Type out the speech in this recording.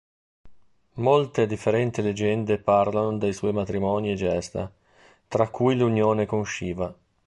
Molte differenti leggende parlano dei suoi matrimoni e gesta, tra cui l'unione con Shiva.